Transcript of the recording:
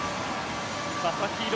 佐々木朗